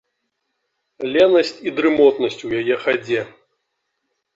Ленасць і дрымотнасць у яе хадзе.